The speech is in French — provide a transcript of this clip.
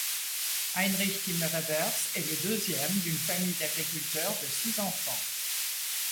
Heinrich Timmerevers est le deuxième d'une famille d'agriculteurs de six enfants.